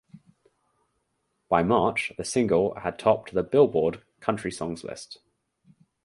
By March the single had topped the "Billboard" country songs list.